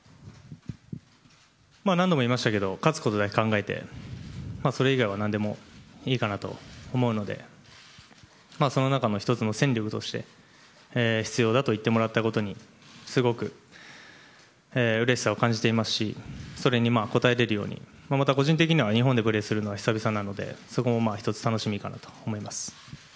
何度も言いましたけど勝つことだけを考えてそれ以外は何でもいいかなと思うのでその中の１つの戦力として必要だと言ってもらえたことに対してすごくうれしさを感じていますしそれに応えれるように個人的には日本でプレーするのは久々なので、そこも１つ楽しみかなと思います。